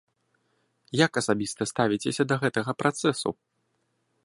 Як асабіста ставіцеся да гэтага працэсу?